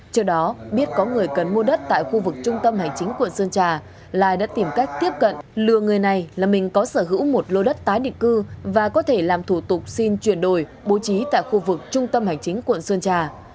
trước đó biết có người cần mua đất tại khu vực trung tâm hành chính quận sơn trà lai đã tìm cách tiếp cận lừa người này là mình có sở hữu một lô đất tái định cư và có thể làm thủ tục xin chuyển đổi bố trí tại khu vực trung tâm hành chính quận sơn trà